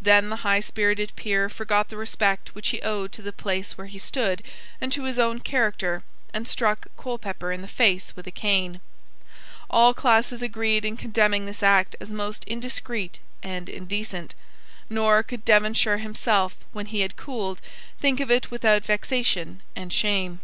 Then the high spirited peer forgot the respect which he owed to the place where he stood and to his own character, and struck Colepepper in the face with a cane. All classes agreed in condemning this act as most indiscreet and indecent; nor could Devonshire himself, when he had cooled, think of it without vexation and shame.